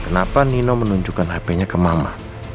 kenapa nino menunjukkan hpnya ke mama